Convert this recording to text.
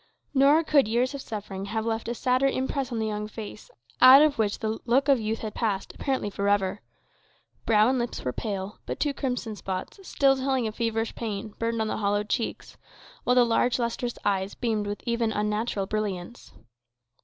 Nor could years of suffering have left a sadder impress on the young face, out of which the look of youth had passed, apparently for ever. Brow and lips were pale; but two crimson spots, still telling of feverish pain, burned on the hollow cheeks, while the large lustrous eyes beamed with even unnatural brilliance.